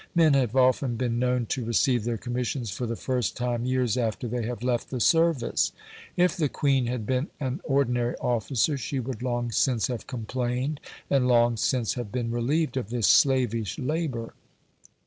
Men have often been known to receive their commissions for the first time years after they have left the service. If the Queen had been an ordinary officer she would long since have complained, and long since have been relieved of this slavish labour.